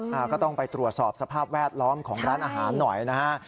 ก็ต้องไปตรวจสอบสภาพแวดล้อมของร้านอาหารหน่อยนะฮะ